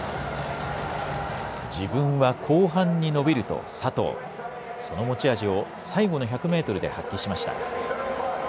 自分は後半に伸びると佐藤その持ち味を最後の１００メートルで発揮しました。